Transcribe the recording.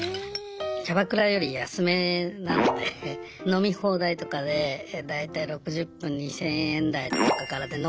キャバクラより安めなので飲み放題とかで大体６０分２０００円台とかからで飲めるんで。